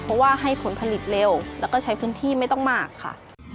เพราะว่าให้ผลผลิตเร็วแล้วก็ใช้พื้นที่ไม่ต้องมากค่ะ